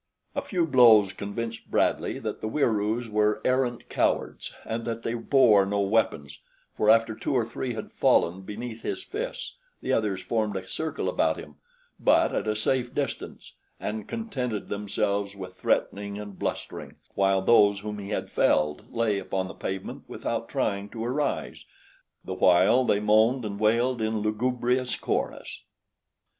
A few blows convinced Bradley that the Wieroos were arrant cowards and that they bore no weapons, for after two or three had fallen beneath his fists the others formed a circle about him, but at a safe distance and contented themselves with threatening and blustering, while those whom he had felled lay upon the pavement without trying to arise, the while they moaned and wailed in lugubrious chorus.